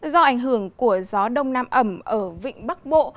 do ảnh hưởng của gió đông nam ẩm ở vịnh bắc bộ